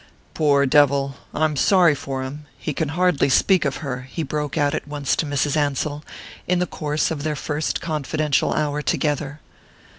"Poor devil I'm sorry for him: he can hardly speak of her," he broke out at once to Mrs. Ansell, in the course of their first confidential hour together.